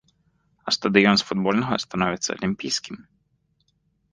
А стадыён з футбольнага становіцца алімпійскім.